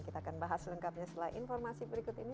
kita akan bahas selengkapnya setelah informasi berikut ini